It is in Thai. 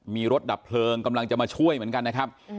มีรถดับเพลิงกำลังจะมาช่วยเหมือนกันนะครับ